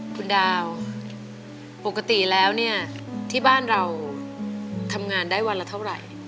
คุณดาวปกติแล้วเนี่ยที่บ้านเราทำงานได้วันละเท่าไหร่